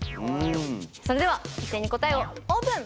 それでは一斉に答えをオープン！